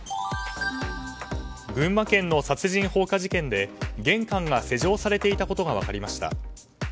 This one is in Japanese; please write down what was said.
群馬県の殺人放火事件で玄関が施錠されていたことが分かりました。